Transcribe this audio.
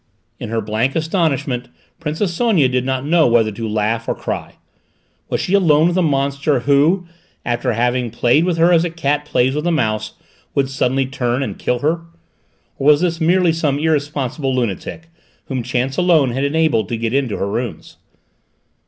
In her blank astonishment Princess Sonia did not know whether to laugh or cry. Was she alone with a monster who, after having played with her as a cat plays with a mouse, would suddenly turn and kill her? Or was this merely some irresponsible lunatic, whom chance alone had enabled to get into her rooms?